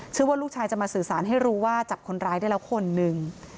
ว่าลูกชายจะมาสื่อสารให้รู้ว่าจับคนร้ายได้แล้วคนหนึ่ง